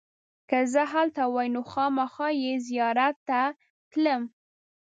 که زه هلته وای نو خامخا یې زیارت ته تلم.